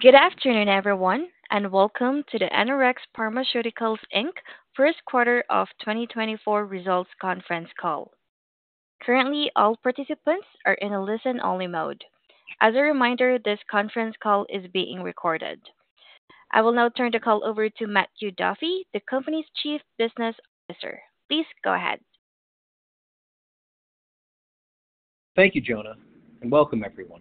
Good afternoon, everyone, and welcome to the NRx Pharmaceuticals, Inc. first quarter of 2024 results conference call. Currently, all participants are in a listen-only mode. As a reminder, this conference call is being recorded. I will now turn the call over to Matthew Duffy, the company's Chief Business Officer. Please go ahead. Thank you, Jonah, and welcome, everyone.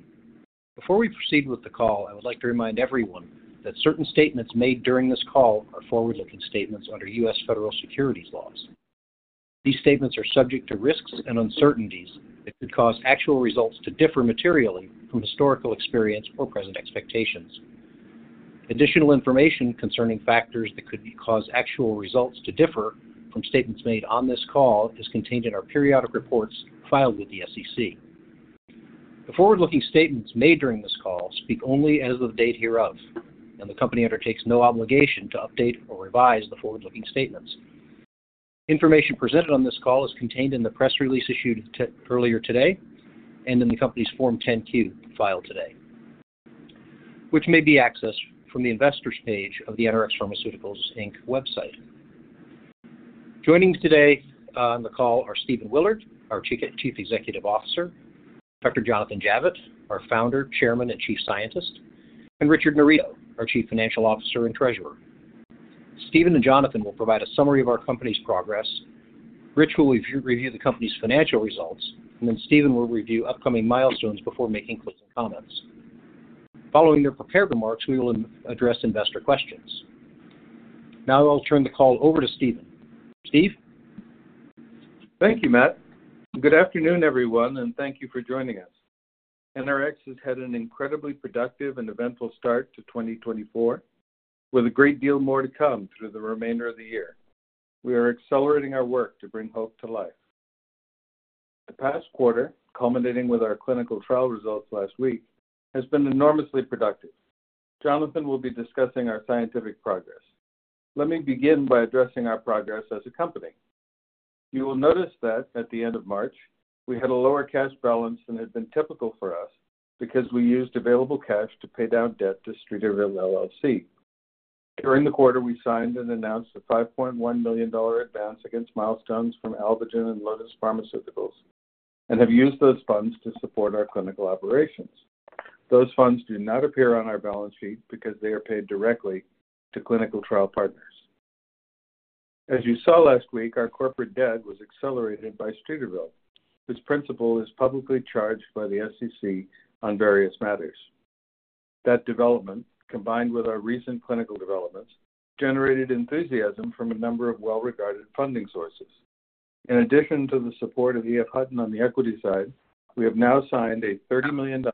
Before we proceed with the call, I would like to remind everyone that certain statements made during this call are forward-looking statements under U.S. federal securities laws. These statements are subject to risks and uncertainties that could cause actual results to differ materially from historical experience or present expectations. Additional information concerning factors that could cause actual results to differ from statements made on this call is contained in our periodic reports filed with the SEC. The forward-looking statements made during this call speak only as of the date hereof, and the company undertakes no obligation to update or revise the forward-looking statements. Information presented on this call is contained in the press release issued earlier today and in the company's Form 10-Q filed today, which may be accessed from the investors' page of the NRx Pharmaceuticals, Inc. website. Joining today on the call are Steve Willard, our Chief Executive Officer; Dr. Jonathan Javitt, our Founder, Chairman, and Chief Scientist; and Richard Narido, our Chief Financial Officer and Treasurer. Stephen and Jonathan will provide a summary of our company's progress, Rich will review the company's financial results, and then Stephen will review upcoming milestones before making closing comments. Following their prepared remarks, we will address investor questions. Now I'll turn the call over to Stephen. Steve? Thank you, Matt. Good afternoon, everyone, and thank you for joining us. NRx has had an incredibly productive and eventful start to 2024, with a great deal more to come through the remainder of the year. We are accelerating our work to bring hope to life. The past quarter, culminating with our clinical trial results last week, has been enormously productive. Jonathan will be discussing our scientific progress. Let me begin by addressing our progress as a company. You will notice that, at the end of March, we had a lower cash balance than had been typical for us because we used available cash to pay down debt to Streeterville LLC. During the quarter, we signed and announced a $5.1 million advance against milestones from Alvogen and Lotus Pharmaceuticals and have used those funds to support our clinical operations. Those funds do not appear on our balance sheet because they are paid directly to clinical trial partners. As you saw last week, our corporate debt was accelerated by Streeterville, whose principal is publicly charged by the SEC on various matters. That development, combined with our recent clinical developments, generated enthusiasm from a number of well-regarded funding sources. In addition to the support of E.F. Hutton on the equity side, we have now signed a $30 million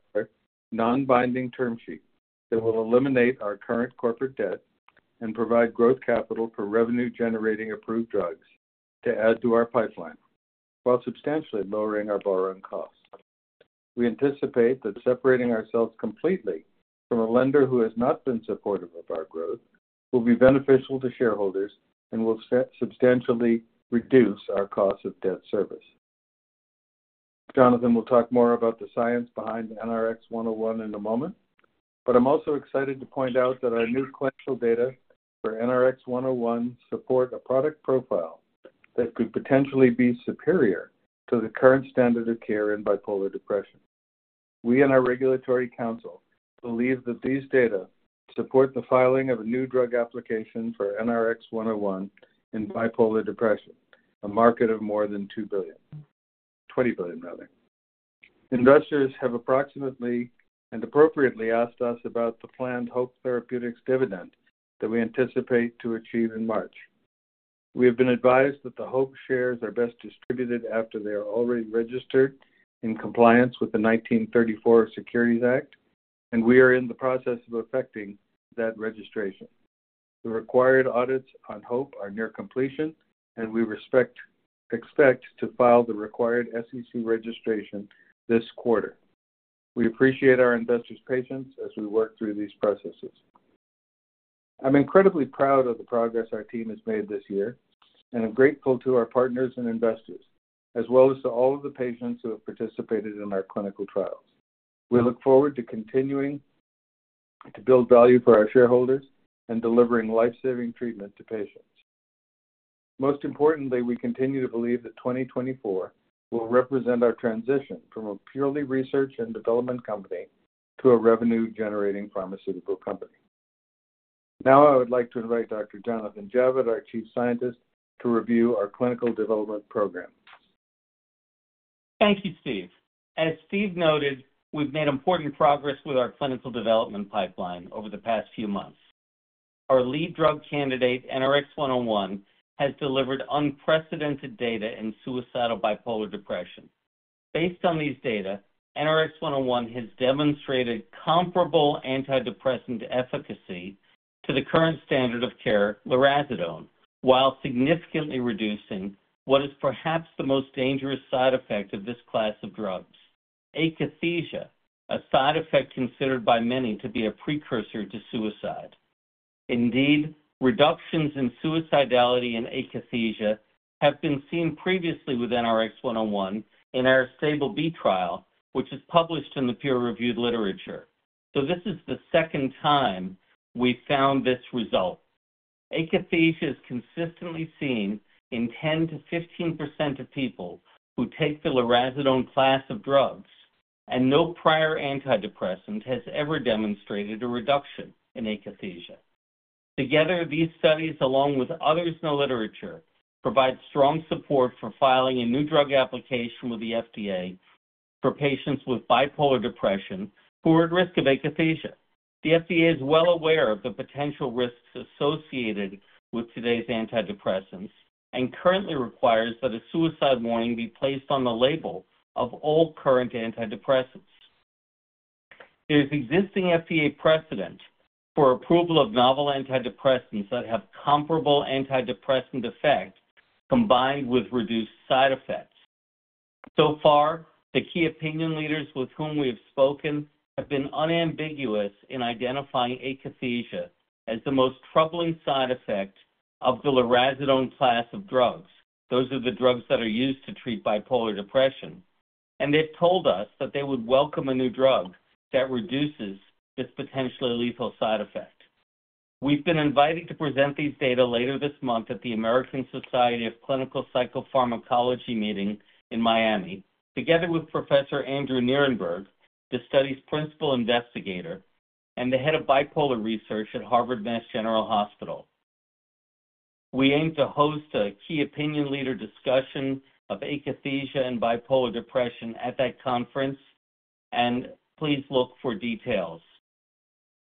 non-binding term sheet that will eliminate our current corporate debt and provide growth capital for revenue-generating approved drugs to add to our pipeline, while substantially lowering our borrowing costs. We anticipate that separating ourselves completely from a lender who has not been supportive of our growth will be beneficial to shareholders and will substantially reduce our cost of debt service. Jonathan will talk more about the science behind NRx-101 in a moment, but I'm also excited to point out that our new clinical data for NRx-101 support a product profile that could potentially be superior to the current standard of care in bipolar depression. We and our regulatory counsel believe that these data support the filing of a new drug application for NRx-101 in bipolar depression, a market of more than $2 billion, $20 billion, rather. Investors have approximately and appropriately asked us about the planned Hope Therapeutics dividend that we anticipate to achieve in March. We have been advised that the Hope shares are best distributed after they are already registered in compliance with the 1934 Securities Act, and we are in the process of effecting that registration. The required audits on Hope are near completion, and we expect to file the required SEC registration this quarter. We appreciate our investors' patience as we work through these processes. I'm incredibly proud of the progress our team has made this year and am grateful to our partners and investors, as well as to all of the patients who have participated in our clinical trials. We look forward to continuing to build value for our shareholders and delivering life-saving treatment to patients. Most importantly, we continue to believe that 2024 will represent our transition from a purely research and development company to a revenue-generating pharmaceutical company. Now I would like to invite Dr. Jonathan Javitt, our Chief Scientist, to review our clinical development program. Thank you, Steve. As Steve noted, we've made important progress with our clinical development pipeline over the past few months. Our lead drug candidate, NRx-101, has delivered unprecedented data in suicidal bipolar depression. Based on these data, NRx-101 has demonstrated comparable antidepressant efficacy to the current standard of care, lurasidone, while significantly reducing what is perhaps the most dangerous side effect of this class of drugs: akathisia, a side effect considered by many to be a precursor to suicide. Indeed, reductions in suicidality and akathisia have been seen previously with NRx-101 in our STABIL-B trial, which is published in the peer-reviewed literature, so this is the second time we've found this result. Akathisia is consistently seen in 10%-15% of people who take the lurasidone class of drugs, and no prior antidepressant has ever demonstrated a reduction in akathisia. Together, these studies, along with others in the literature, provide strong support for filing a new drug application with the FDA for patients with bipolar depression who are at risk of akathisia. The FDA is well aware of the potential risks associated with today's antidepressants and currently requires that a suicide warning be placed on the label of all current antidepressants. There is existing FDA precedent for approval of novel antidepressants that have comparable antidepressant effect combined with reduced side effects. So far, the key opinion leaders with whom we have spoken have been unambiguous in identifying akathisia as the most troubling side effect of the lurasidone class of drugs, those are the drugs that are used to treat bipolar depression, and they've told us that they would welcome a new drug that reduces this potentially lethal side effect. We've been invited to present these data later this month at the American Society of Clinical Psychopharmacology meeting in Miami together with Professor Andrew Nierenberg, the study's principal investigator, and the head of bipolar research at Harvard Massachusetts General Hospital. We aim to host a key opinion leader discussion of akathisia and bipolar depression at that conference, and please look for details.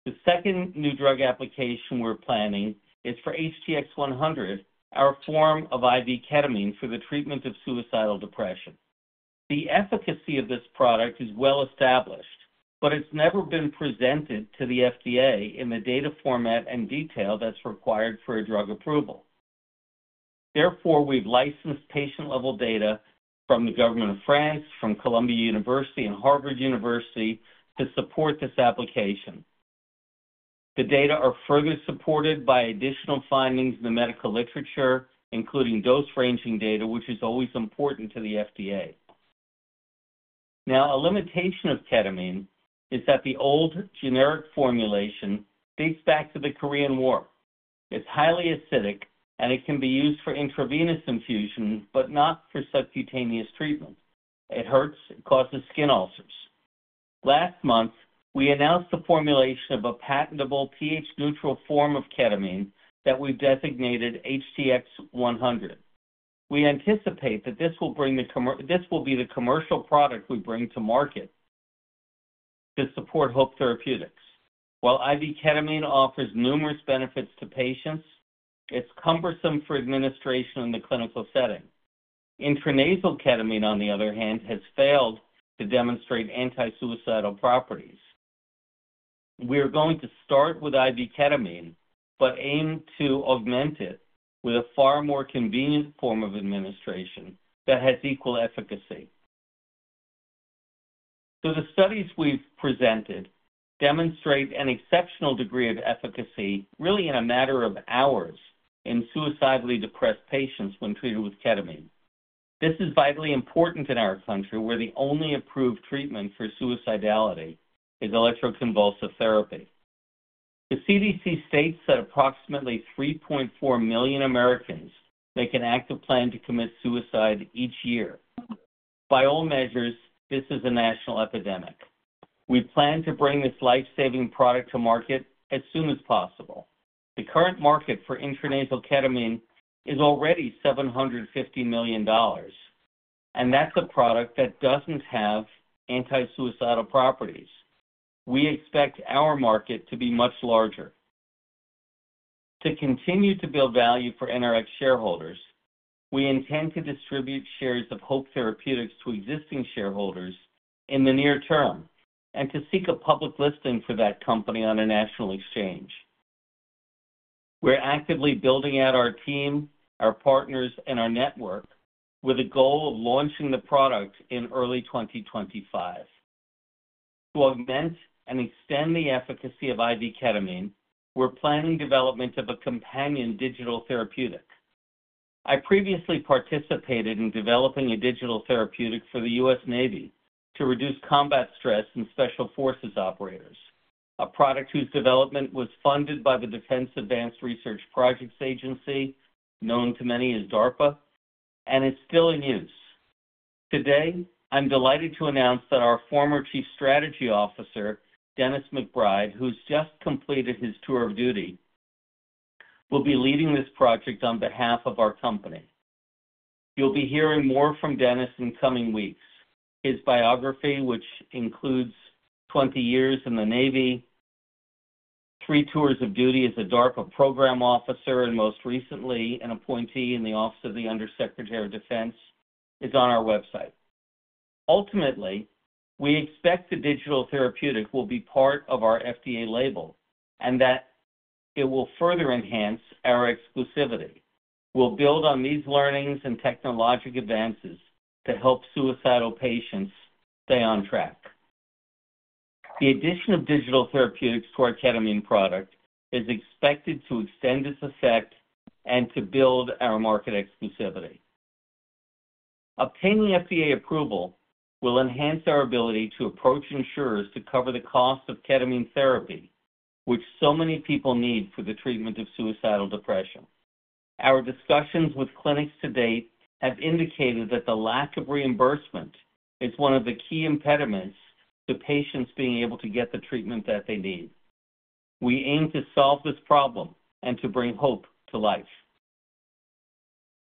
The second new drug application we're planning is for HTX-100, our form of IV ketamine for the treatment of suicidal depression. The efficacy of this product is well established, but it's never been presented to the FDA in the data format and detail that's required for a drug approval. Therefore, we've licensed patient-level data from the Government of France, from Columbia University, and Harvard University to support this application. The data are further supported by additional findings in the medical literature, including dose-ranging data, which is always important to the FDA. Now, a limitation of ketamine is that the old generic formulation dates back to the Korean War. It's highly acidic, and it can be used for intravenous infusion but not for subcutaneous treatment. It hurts. It causes skin ulcers. Last month, we announced the formulation of a patentable pH-neutral form of ketamine that we've designated HTX-100. We anticipate that this will be the commercial product we bring to market to support Hope Therapeutics. While IV ketamine offers numerous benefits to patients, it's cumbersome for administration in the clinical setting. Intranasal ketamine, on the other hand, has failed to demonstrate anti-suicidal properties. We are going to start with IV ketamine but aim to augment it with a far more convenient form of administration that has equal efficacy. So the studies we've presented demonstrate an exceptional degree of efficacy, really in a matter of hours, in suicidally depressed patients when treated with ketamine. This is vitally important in our country, where the only approved treatment for suicidality is electroconvulsive therapy. The CDC states that approximately 3.4 million Americans make an active plan to commit suicide each year. By all measures, this is a national epidemic. We plan to bring this life-saving product to market as soon as possible. The current market for intranasal ketamine is already $750 million, and that's a product that doesn't have anti-suicidal properties. We expect our market to be much larger. To continue to build value for NRx shareholders, we intend to distribute shares of Hope Therapeutics to existing shareholders in the near term and to seek a public listing for that company on a national exchange. We're actively building out our team, our partners, and our network with the goal of launching the product in early 2025. To augment and extend the efficacy of IV ketamine, we're planning development of a companion digital therapeutic. I previously participated in developing a digital therapeutic for the U.S. Navy to reduce combat stress in special forces operators, a product whose development was funded by the Defense Advanced Research Projects Agency, known to many as DARPA, and is still in use. Today, I'm delighted to announce that our former Chief Strategy Officer, Dennis McBride, who's just completed his tour of duty, will be leading this project on behalf of our company. You'll be hearing more from Dennis in coming weeks. His biography, which includes 20 years in the Navy, 3 tours of duty as a DARPA program officer, and most recently an appointee in the Office of the Undersecretary of Defense, is on our website. Ultimately, we expect the digital therapeutic will be part of our FDA label and that it will further enhance our exclusivity. We'll build on these learnings and technological advances to help suicidal patients stay on track. The addition of digital therapeutics to our ketamine product is expected to extend its effect and to build our market exclusivity. Obtaining FDA approval will enhance our ability to approach insurers to cover the cost of ketamine therapy, which so many people need for the treatment of suicidal depression. Our discussions with clinics to date have indicated that the lack of reimbursement is one of the key impediments to patients being able to get the treatment that they need. We aim to solve this problem and to bring hope to life.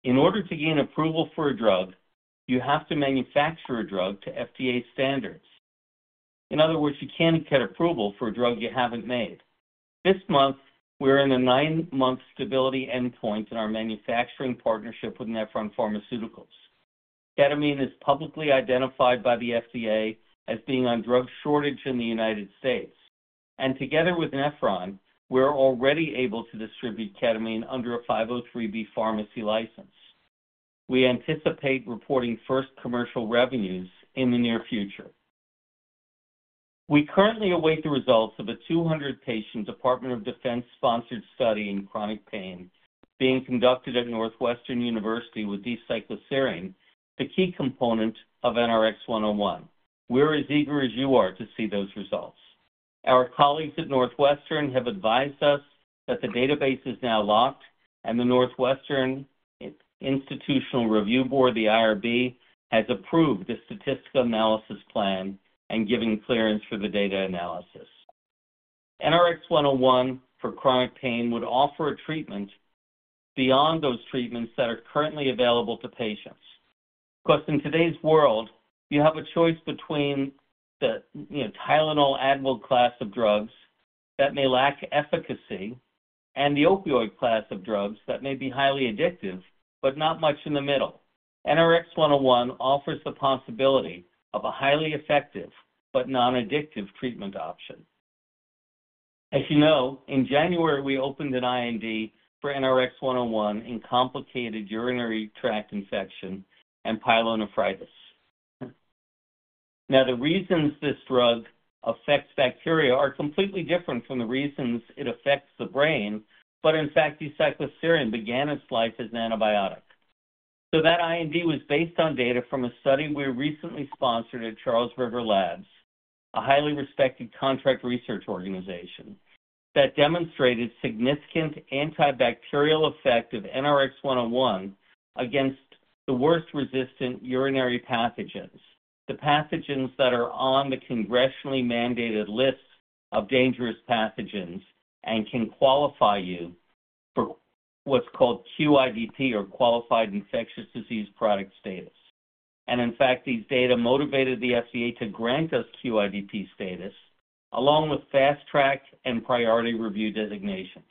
In order to gain approval for a drug, you have to manufacture a drug to FDA standards. In other words, you can't get approval for a drug you haven't made. This month, we're in a nine-month stability endpoint in our manufacturing partnership with Nephron Pharmaceuticals. Ketamine is publicly identified by the FDA as being on drug shortage in the United States, and together with Nephron, we're already able to distribute ketamine under a 503B pharmacy license. We anticipate reporting first commercial revenues in the near future. We currently await the results of a 200-patient Department of Defense-sponsored study in chronic pain being conducted at Northwestern University with D-cycloserine, the key component of NRx-101. We're as eager as you are to see those results. Our colleagues at Northwestern have advised us that the database is now locked, and the Northwestern Institutional Review Board, the IRB, has approved the statistical analysis plan and given clearance for the data analysis. NRx-101 for chronic pain would offer a treatment beyond those treatments that are currently available to patients. Of course, in today's world, you have a choice between the Tylenol Advil class of drugs that may lack efficacy and the opioid class of drugs that may be highly addictive but not much in the middle. NRx-101 offers the possibility of a highly effective but non-addictive treatment option. As you know, in January, we opened an IND for NRx-101 in complicated urinary tract infection and pyelonephritis. Now, the reasons this drug affects bacteria are completely different from the reasons it affects the brain, but in fact, D-cycloserine began its life as an antibiotic. So that IND was based on data from a study we recently sponsored at Charles River Labs, a highly respected contract research organization, that demonstrated significant antibacterial effect of NRx-101 against the worst-resistant urinary pathogens, the pathogens that are on the congressionally mandated list of dangerous pathogens and can qualify you for what's called QIDP or Qualified Infectious Disease Product status. And in fact, these data motivated the FDA to grant us QIDP status, along with fast-track and priority review designations.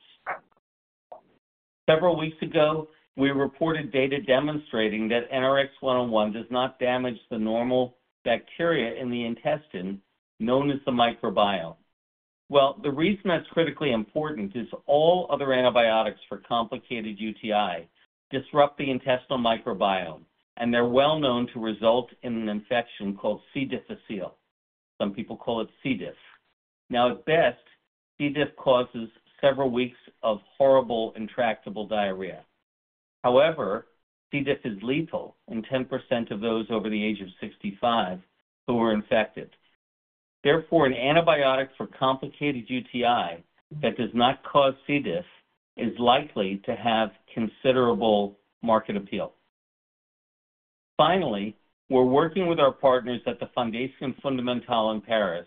Several weeks ago, we reported data demonstrating that NRx-101 does not damage the normal bacteria in the intestine known as the microbiome. Well, the reason that's critically important is all other antibiotics for complicated UTI disrupt the intestinal microbiome, and they're well known to result in an infection called C. difficile. Some people call it C. diff. Now, at best, C. diff causes several weeks of horrible, intractable diarrhea. However, C. diff is lethal in 10% of those over the age of 65 who are infected. Therefore, an antibiotic for complicated UTI that does not cause C. diff is likely to have considerable market appeal. Finally, we're working with our partners at the Fondation FondaMental in Paris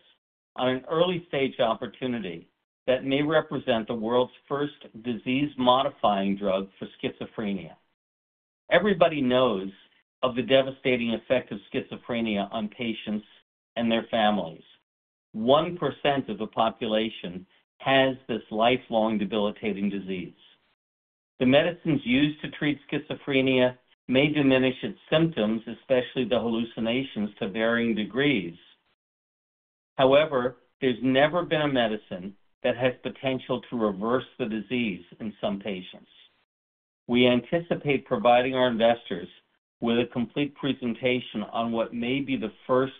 on an early-stage opportunity that may represent the world's first disease-modifying drug for schizophrenia. Everybody knows of the devastating effect of schizophrenia on patients and their families. 1% of the population has this lifelong debilitating disease. The medicines used to treat schizophrenia may diminish its symptoms, especially the hallucinations, to varying degrees. However, there's never been a medicine that has potential to reverse the disease in some patients. We anticipate providing our investors with a complete presentation on what may be the first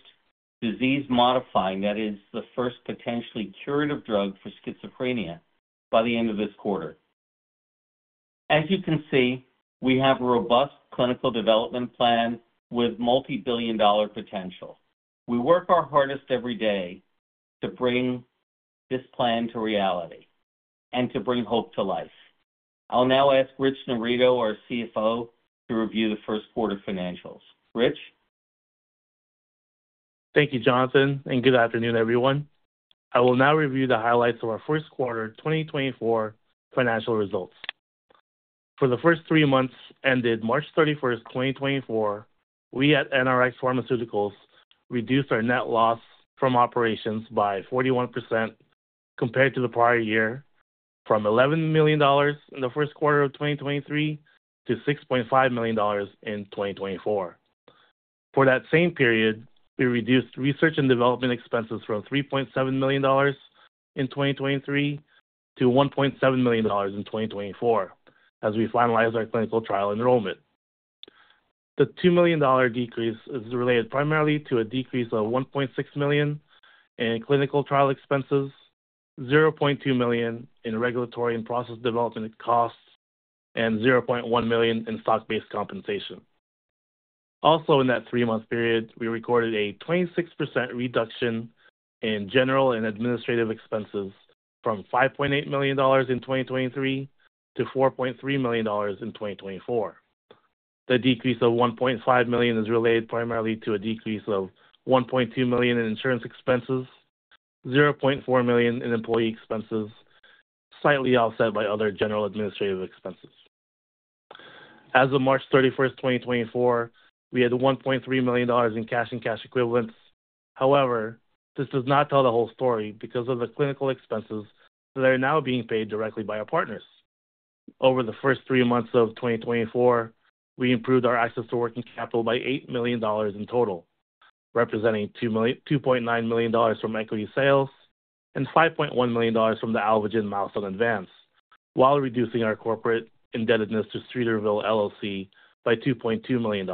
disease-modifying, that is, the first potentially curative drug for schizophrenia, by the end of this quarter. As you can see, we have a robust clinical development plan with multibillion-dollar potential. We work our hardest every day to bring this plan to reality and to bring hope to life. I'll now ask Rich Narido, our CFO, to review the first quarter financials. Rich? Thank you, Jonathan, and good afternoon, everyone. I will now review the highlights of our first quarter 2024 financial results. For the first three months ended March 31st, 2024, we at NRx Pharmaceuticals reduced our net loss from operations by 41% compared to the prior year, from $11 million in the first quarter of 2023 to $6.5 million in 2024. For that same period, we reduced research and development expenses from $3.7 million in 2023 to $1.7 million in 2024 as we finalized our clinical trial enrollment. The $2 million decrease is related primarily to a decrease of $1.6 million in clinical trial expenses, $0.2 million in regulatory and process development costs, and $0.1 million in stock-based compensation. Also, in that three-month period, we recorded a 26% reduction in general and administrative expenses from $5.8 million in 2023 to $4.3 million in 2024. The decrease of $1.5 million is related primarily to a decrease of $1.2 million in insurance expenses, $0.4 million in employee expenses, slightly offset by other general administrative expenses. As of March 31st, 2024, we had $1.3 million in cash and cash equivalents. However, this does not tell the whole story because of the clinical expenses that are now being paid directly by our partners. Over the first three months of 2024, we improved our access to working capital by $8 million in total, representing $2.9 million from equity sales and $5.1 million from the Alvogen milestone advance, while reducing our corporate indebtedness to Streeterville LLC by $2.2 million.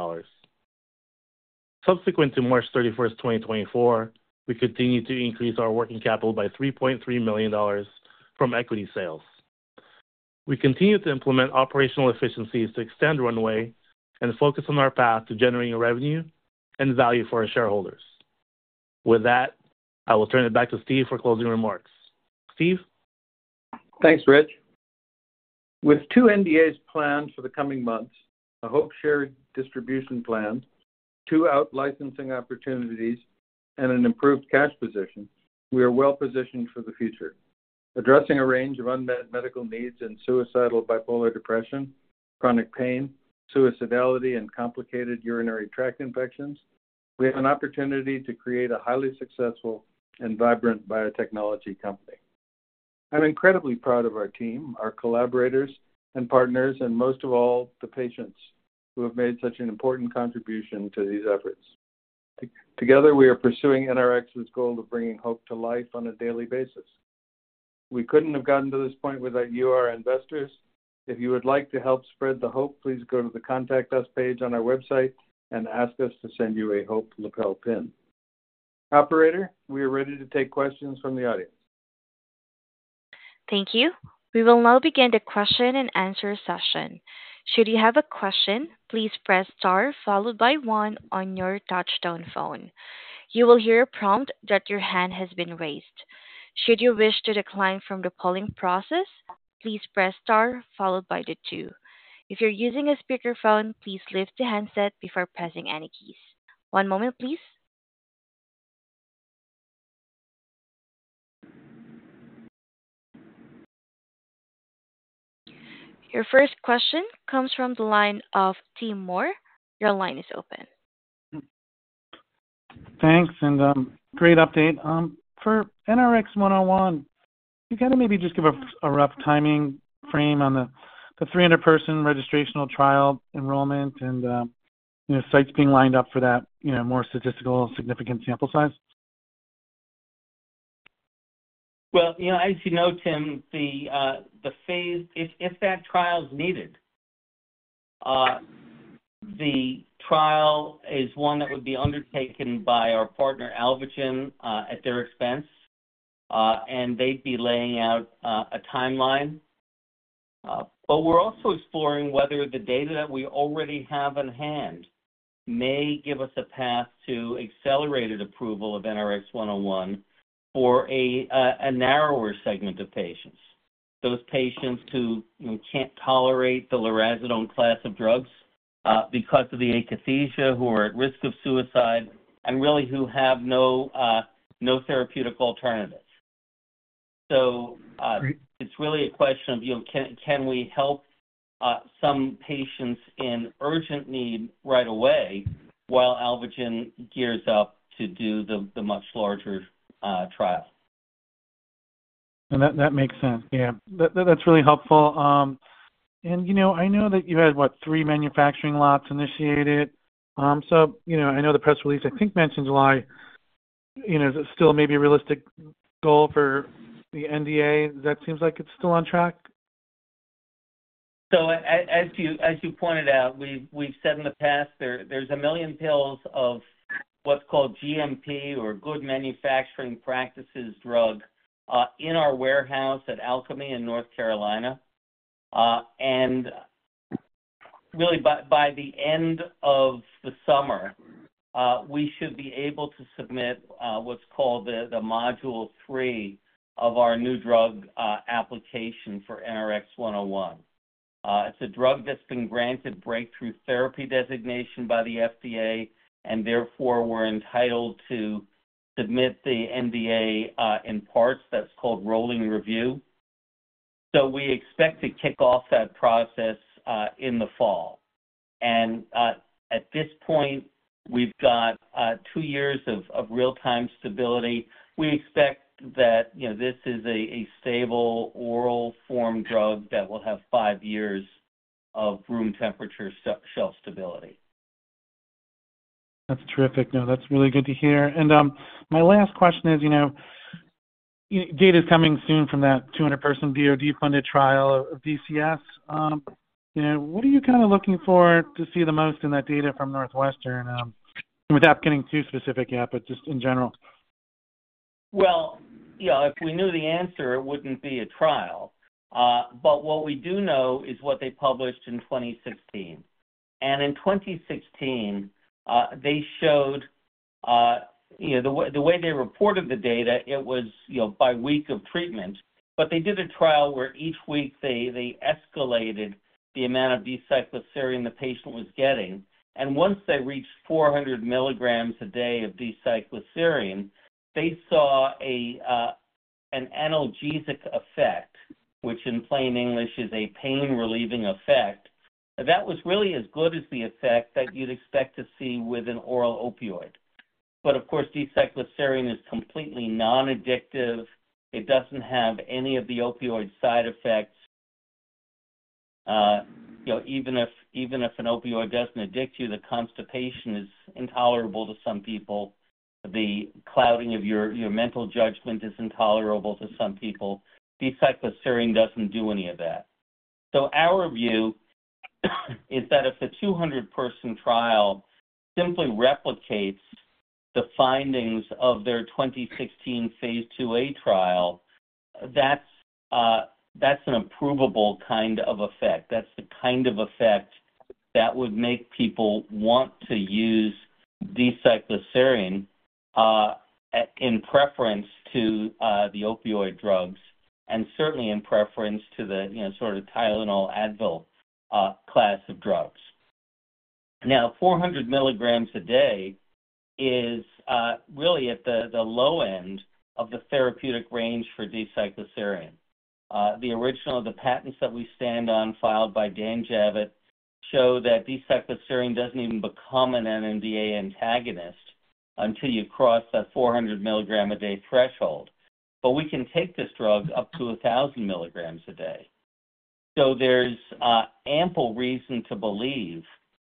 Subsequent to March 31st, 2024, we continued to increase our working capital by $3.3 million from equity sales. We continued to implement operational efficiencies to extend runway and focus on our path to generating revenue and value for our shareholders. With that, I will turn it back to Steve for closing remarks. Steve? Thanks, Rich. With two NDAs planned for the coming months, a Hope shared distribution plan, two out-licensing opportunities, and an improved cash position, we are well-positioned for the future. Addressing a range of unmet medical needs in suicidal bipolar depression, chronic pain, suicidality, and complicated urinary tract infections, we have an opportunity to create a highly successful and vibrant biotechnology company. I'm incredibly proud of our team, our collaborators and partners, and most of all, the patients who have made such an important contribution to these efforts. Together, we are pursuing NRx's goal of bringing hope to life on a daily basis. We couldn't have gotten to this point without you, our investors. If you would like to help spread the hope, please go to the Contact Us page on our website and ask us to send you a Hope lapel pin. Operator, we are ready to take questions from the audience. Thank you. We will now begin the question and answer session. Should you have a question, please press star followed by 1 on your touchtone phone. You will hear a prompt that your hand has been raised. Should you wish to decline from the polling process, please press star followed by the 2. If you're using a speakerphone, please lift the handset before pressing any keys. One moment, please. Your first question comes from the line of Tim Moore. Your line is open. Thanks, and great update. For NRx-101, if you can maybe just give a rough timing frame on the 300-person registrational trial enrollment and sites being lined up for that more statistical significance sample size. Well, as you know, Tim, if that trial's needed, the trial is one that would be undertaken by our partner Alvogen at their expense, and they'd be laying out a timeline. But we're also exploring whether the data that we already have on hand may give us a path to accelerated approval of NRx-101 for a narrower segment of patients, those patients who can't tolerate the lurasidone class of drugs because of the akathisia, who are at risk of suicide, and really who have no therapeutic alternatives. So it's really a question of can we help some patients in urgent need right away while Alvogen gears up to do the much larger trial. That makes sense. Yeah. That's really helpful. I know that you had, what, 3 manufacturing lots initiated. I know the press release, I think, mentioned July. Is it still maybe a realistic goal for the NDA? That seems like it's still on track. As you pointed out, we've said in the past there's 1 million pills of what's called GMP or Good Manufacturing Practices drug in our warehouse at Alcami in North Carolina. Really, by the end of the summer, we should be able to submit what's called the Module 3 of our new drug application for NRx-101. It's a drug that's been granted breakthrough therapy designation by the FDA, and therefore, we're entitled to submit the NDA in parts. That's called rolling review. We expect to kick off that process in the fall. At this point, we've got 2 years of real-time stability. We expect that this is a stable oral-form drug that will have five years of room temperature shelf stability. That's terrific. No, that's really good to hear. And my last question is, data's coming soon from that 200-person DOD-funded trial of DCS. What are you kind of looking for to see the most in that data from Northwestern? Without getting too specific yet, but just in general. Well, if we knew the answer, it wouldn't be a trial. But what we do know is what they published in 2016. And in 2016, they showed the way they reported the data, it was by week of treatment. But they did a trial where each week, they escalated the amount of D-cycloserine the patient was getting. And once they reached 400 milligrams a day of D-cycloserine, they saw an analgesic effect, which in plain English is a pain-relieving effect. That was really as good as the effect that you'd expect to see with an oral opioid. But of course, D-cycloserine is completely non-addictive. It doesn't have any of the opioid side effects. Even if an opioid doesn't addict you, the constipation is intolerable to some people. The clouding of your mental judgment is intolerable to some people. D-cycloserine doesn't do any of that. So our view is that if the 200-person trial simply replicates the findings of their 2016 phase 2A trial, that's an approvable kind of effect. That's the kind of effect that would make people want to use D-cycloserine in preference to the opioid drugs and certainly in preference to the sort of Tylenol, Advil class of drugs. Now, 400 milligrams a day is really at the low end of the therapeutic range for D-cycloserine. The original of the patents that we stand on filed by Dan Javitt show that D-cycloserine doesn't even become an NMDA antagonist until you cross that 400 mg a day threshold. But we can take this drug up to 1,000 mg a day. So there's ample reason to believe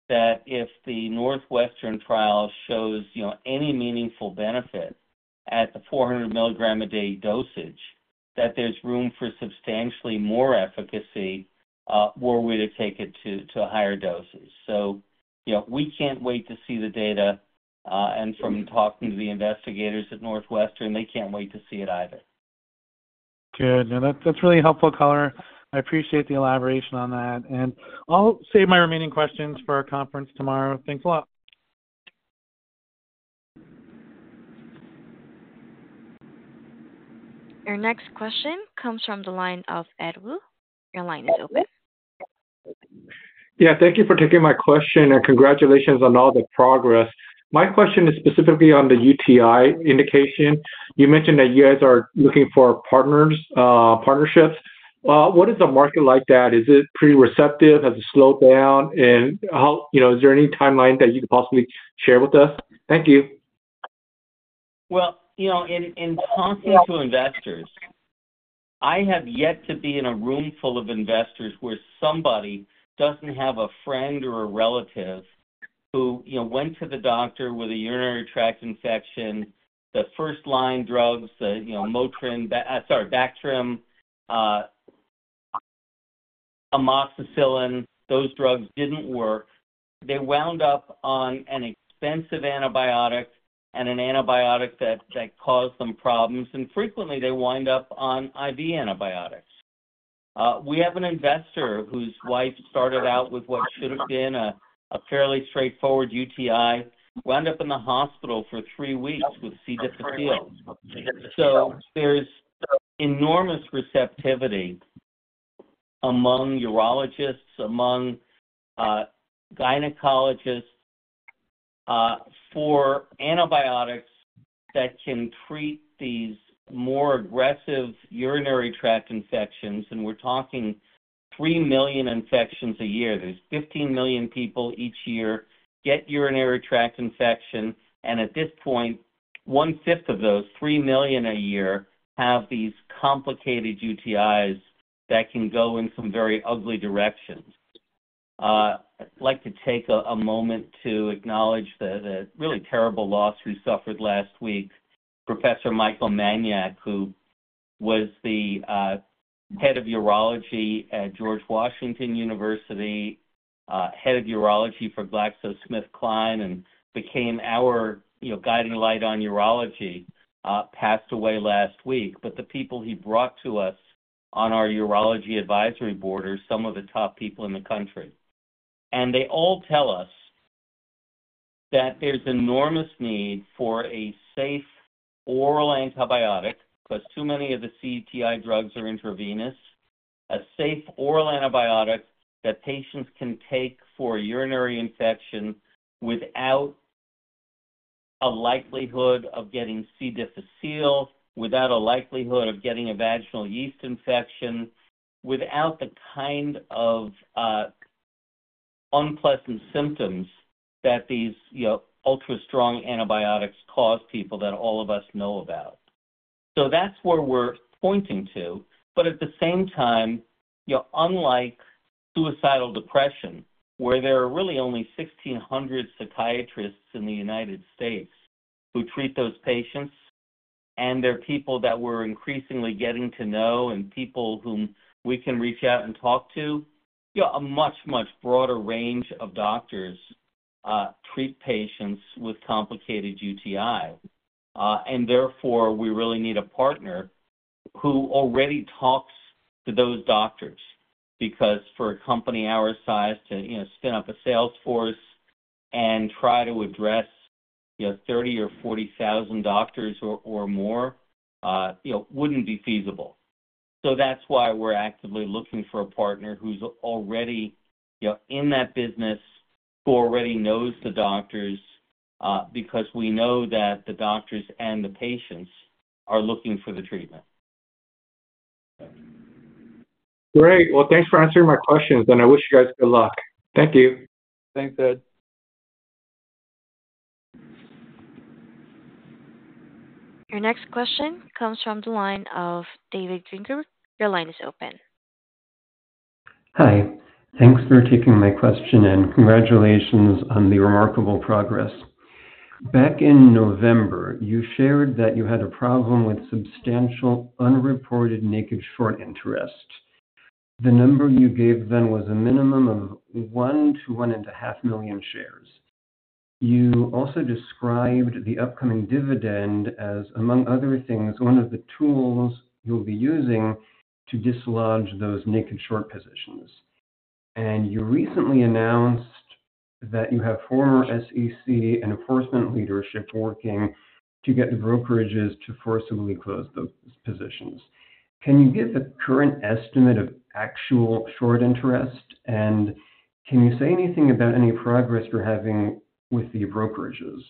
that if the Northwestern trial shows any meaningful benefit at the 400 mg a day dosage, that there's room for substantially more efficacy were we to take it to higher doses. So we can't wait to see the data. And from talking to the investigators at Northwestern, they can't wait to see it either. Good. No, that's really helpful color. I appreciate the elaboration on that. And I'll save my remaining questions for our conference tomorrow. Thanks a lot. Your next question comes from the line of Ed Woo. Your line is open. Yeah. Thank you for taking my question, and congratulations on all the progress. My question is specifically on the UTI indication. You mentioned that you guys are looking for partnerships. What is a market like that? Is it pretty receptive? Has it slowed down? And is there any timeline that you could possibly share with us? Thank you. Well, in talking to investors, I have yet to be in a room full of investors where somebody doesn't have a friend or a relative who went to the doctor with a urinary tract infection. The first-line drugs, Motrin, sorry, Bactrim, amoxicillin, those drugs didn't work. They wound up on an expensive antibiotic and an antibiotic that caused them problems. And frequently, they wind up on IV antibiotics. We have an investor whose wife started out with what should have been a fairly straightforward UTI, wound up in the hospital for three weeks with C. difficile. So there's enormous receptivity among urologists, among gynecologists for antibiotics that can treat these more aggressive urinary tract infections. And we're talking 3 million infections a year. There's 15 million people each year get urinary tract infection. And at this point, one-fifth of those, 3 million a year, have these complicated UTIs that can go in some very ugly directions. I'd like to take a moment to acknowledge the really terrible loss we suffered last week, Professor Michael Manyak, who was the head of urology at George Washington University, head of urology for GlaxoSmithKline, and became our guiding light on urology, passed away last week. The people he brought to us on our urology advisory board are some of the top people in the country. They all tell us that there's enormous need for a safe oral antibiotic because too many of the cUTI drugs are intravenous, a safe oral antibiotic that patients can take for a urinary infection without a likelihood of getting C. difficile, without a likelihood of getting a vaginal yeast infection, without the kind of unpleasant symptoms that these ultra-strong antibiotics cause people that all of us know about. That's where we're pointing to. But at the same time, unlike suicidal depression, where there are really only 1,600 psychiatrists in the United States who treat those patients, and there are people that we're increasingly getting to know and people whom we can reach out and talk to, a much, much broader range of doctors treat patients with complicated UTI. Therefore, we really need a partner who already talks to those doctors because for a company our size to spin up a sales force and try to address 30,000 or 40,000 doctors or more wouldn't be feasible. So that's why we're actively looking for a partner who's already in that business, who already knows the doctors because we know that the doctors and the patients are looking for the treatment. Great. Well, thanks for answering my questions, and I wish you guys good luck. Thank you. Thanks, Ed. Your next question comes from the line of David Drinker. Your line is open. Hi. Thanks for taking my question, and congratulations on the remarkable progress. Back in November, you shared that you had a problem with substantial unreported naked short interest. The number you gave then was a minimum of 1-1.5 million shares. You also described the upcoming dividend as, among other things, one of the tools you'll be using to dislodge those naked short positions. You recently announced that you have former SEC enforcement leadership working to get the brokerages to forcibly close those positions. Can you give a current estimate of actual short interest, and can you say anything about any progress you're having with the brokerages?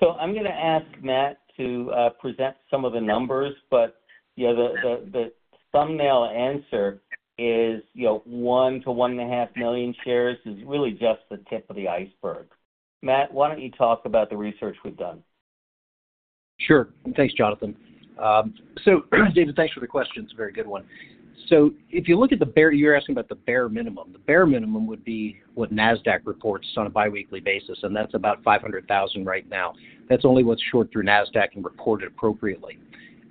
So I'm going to ask Matt to present some of the numbers, but the thumbnail answer is 1-1.5 million shares is really just the tip of the iceberg. Matt, why don't you talk about the research we've done? Sure. Thanks, Jonathan. So David, thanks for the question. It's a very good one. So if you look at, you were asking about the bare minimum. The bare minimum would be what Nasdaq reports on a biweekly basis, and that's about 500,000 right now. That's only what's short through Nasdaq and reported appropriately.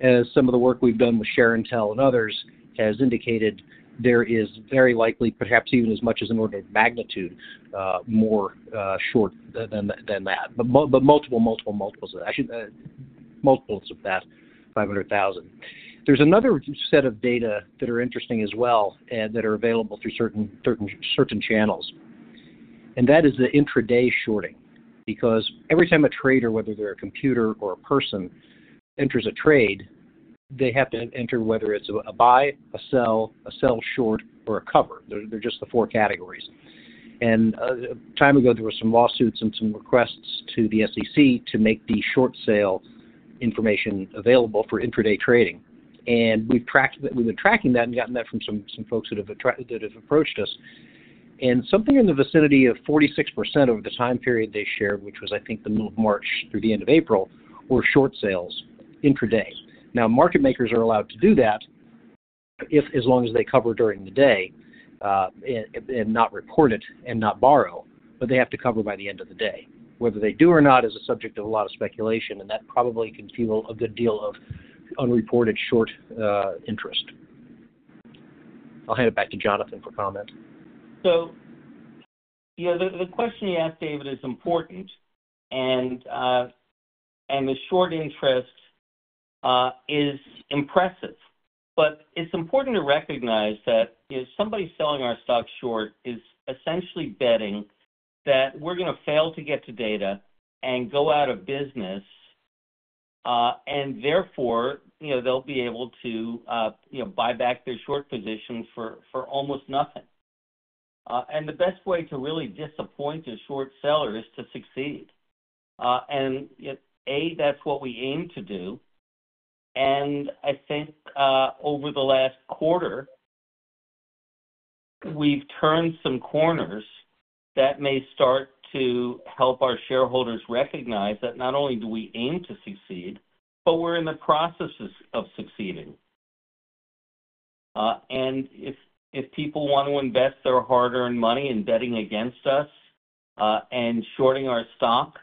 As some of the work we've done with ShareIntel and others has indicated, there is very likely, perhaps even as much as an order of magnitude, more short than that, but multiple, multiple, multiples of that. Multiples of that 500,000. There's another set of data that are interesting as well that are available through certain channels. And that is the intraday shorting because every time a trader, whether they're a computer or a person, enters a trade, they have to enter whether it's a buy, a sell, a sell short, or a cover. They're just the four categories. And a time ago, there were some lawsuits and some requests to the SEC to make the short sale information available for intraday trading. And we've been tracking that and gotten that from some folks that have approached us. And something in the vicinity of 46% of the time period they shared, which was, I think, the middle of March through the end of April, were short sales intraday. Now, market makers are allowed to do that as long as they cover during the day and not report it and not borrow, but they have to cover by the end of the day. Whether they do or not is a subject of a lot of speculation, and that probably can fuel a good deal of unreported short interest. I'll hand it back to Jonathan for comment. So the question you asked, David, is important, and the short interest is impressive. But it's important to recognize that somebody selling our stock short is essentially betting that we're going to fail to get to data and go out of business, and therefore, they'll be able to buy back their short positions for almost nothing. And the best way to really disappoint a short seller is to succeed. And A, that's what we aim to do. I think over the last quarter, we've turned some corners that may start to help our shareholders recognize that not only do we aim to succeed, but we're in the process of succeeding. And if people want to invest their hard-earned money in betting against us and shorting our stock,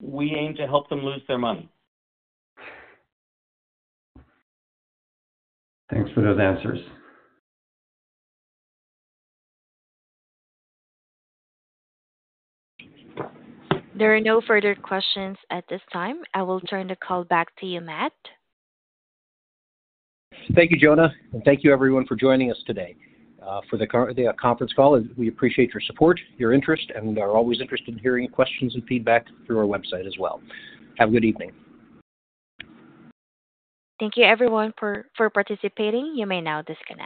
we aim to help them lose their money. Thanks for those answers. There are no further questions at this time. I will turn the call back to you, Matt. Thank you, Jonah, and thank you, everyone, for joining us today for the conference call. We appreciate your support, your interest, and are always interested in hearing questions and feedback through our website as well. Have a good evening. Thank you, everyone, for participating. You may now disconnect.